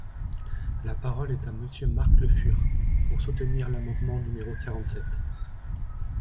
La parole est à Monsieur Marc Le Fur, pour soutenir l’amendement numéro quarante-sept.